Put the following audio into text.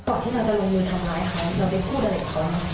ก่อนที่เราจะลงมือทำร้ายครับเราไปพูดอะไรกับเขานะครับ